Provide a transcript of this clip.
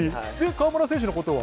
河村選手のことは？